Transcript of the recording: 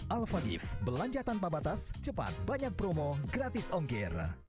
alphagif belanja tanpa batas cepat banyak promo gratis ongkir